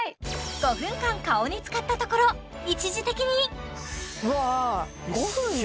５分間顔に使ったところ一時的に５分で？